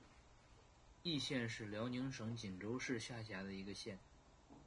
义县是辽宁省锦州市下辖的一个县。